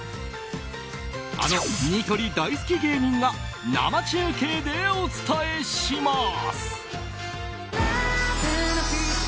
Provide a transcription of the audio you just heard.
あのニトリ大好き芸人が生中継でお伝えします！